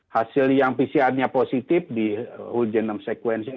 hasil yang pcr nya positif di whole genome sequencing